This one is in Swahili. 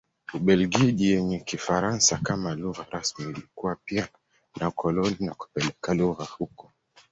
Ubelgiji yenye Kifaransa kama lugha rasmi ilikuwa pia na koloni na kupeleka lugha huko.